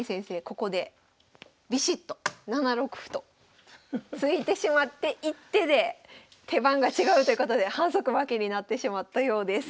ここでビシッと７六歩と突いてしまって１手で手番が違うということで反則負けになってしまったようです。